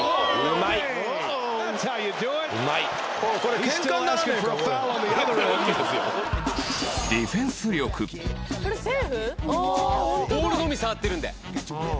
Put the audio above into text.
満島：ボールのみ触ってるんで。